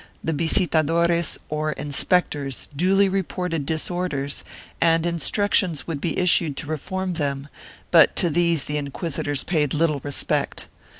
The visitadores, or inspectors, duly reported disorders, and instructions would be issued to reform them, but to these the inquisitors paid little respect.